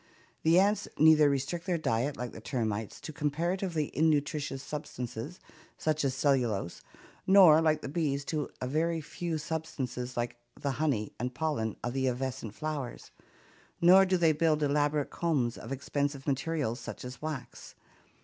The ants neither restrict their diet, like the termites, to comparatively innutritious substances such as cellulose, nor like the bees to a very few substances like the honey and pollen of the evanescent flowers, nor do they build elaborate combs of expensive materials, such as wax.